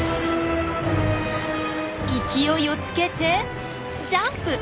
勢いをつけてジャンプ。